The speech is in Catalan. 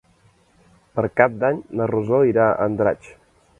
Per Cap d'Any na Rosó irà a Andratx.